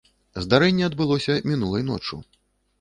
Здарэнне адбылося мінулай ноччу.